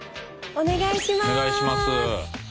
お願いします。